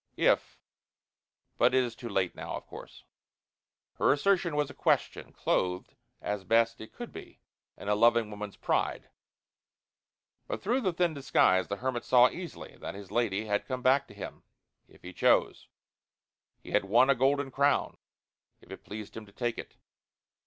If but it is too late now, of course." Her assertion was a question clothed as best it could be in a loving woman's pride. But through the thin disguise the hermit saw easily that his lady had come back to him if he chose. He had won a golden crown if it pleased him to take it.